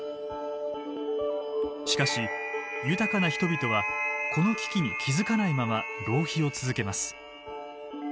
しかし豊かな人々はこの危機に気付かないまま浪費を続けます。